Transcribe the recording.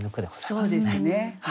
そうですね。